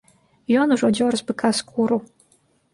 Ён ужо дзёр з быка скуру.